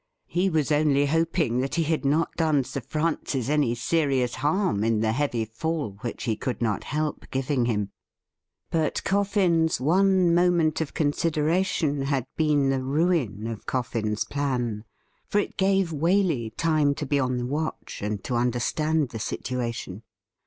He was only hoping that he had not done Sir Francis any serious harm in the heavy fall which he could not help giving him. But Coffin's one moment of consideration had been the ruin of Coffin's plan, for it gave Waley time to be on the watch, and to understand the situation.